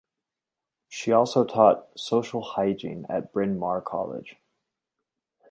She also taught social hygiene at Bryn Mawr College.